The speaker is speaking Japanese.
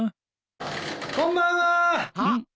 ・・こんばんは。